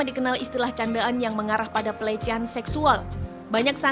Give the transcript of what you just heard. dia marah marah sampai muncanya